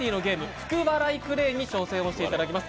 福笑いクレーンに挑戦していただきます。